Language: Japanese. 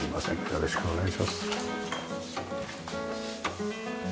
よろしくお願いします。